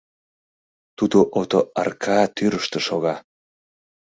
Тудо ото арка тӱрыштӧ шога.